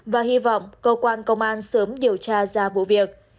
và hy vọng cơ quan công an sớm điều tra ra vụ việc